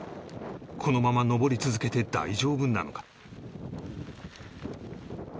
このまま登り続けて大丈夫なのか？